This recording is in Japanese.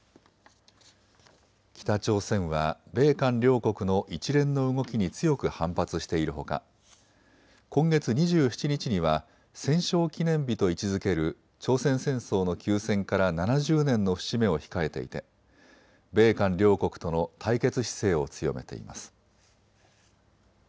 北朝鮮は米韓両国の一連の動きに強く反発しているほか、今月２７日には戦勝記念日と位置づける朝鮮戦争の休戦から７０年の節目を控えていて米韓両国との対決姿勢を強めています。